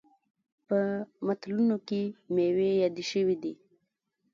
په متلونو کې میوې یادې شوي.